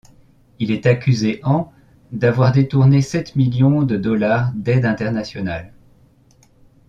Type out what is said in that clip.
Il est accusé en d'avoir détourné sept millions de dollars d'aide internationale.